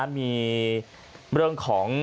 มีเรื่องของ